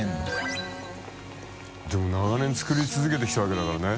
竹中）でも長年作り続けてきたわけだからね。